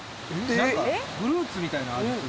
なんかフルーツみたいな味する。